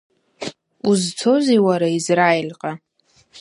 Узцозеи, уара, Израильҟа?